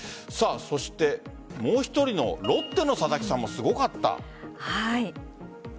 そしてもう１人のロッテの佐々木さんもすごかった。